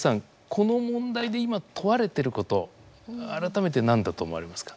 この問題で今問われてること改めて何だと思われますか？